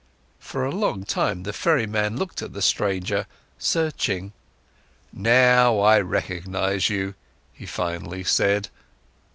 For a long time, the ferryman looked at the stranger, searching. "Now I recognise you," he finally said.